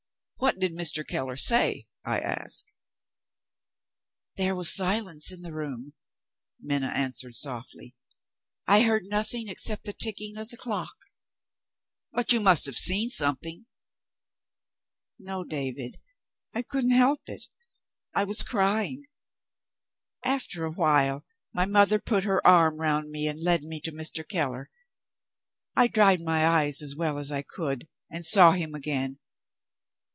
"What did Mr. Keller say?" I asked. "There was silence in the room," Minna answered softly. "I heard nothing except the ticking of the clock." "But you must have seen something?" "No, David. I couldn't help it I was crying. After a while, my mother put her arm round me and led me to Mr. Keller. I dried my eyes as well as I could, and saw him again.